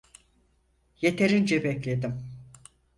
Yeterince bekledim.